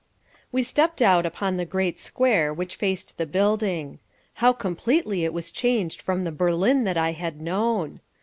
We stepped out upon the great square which faced the building. How completely it was changed from the Berlin that I had known!